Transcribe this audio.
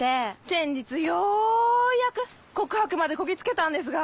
先日ようやく告白までこぎつけたんですが。